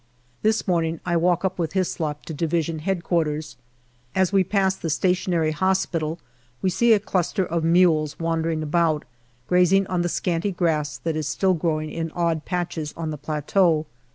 This morning I walk up with Hyslop to D.H.Q. As we pass the Stationary Hospital we see a cluster of mules wandering about, grazing on the scanty grass that is still growing in odd patches on the plateau.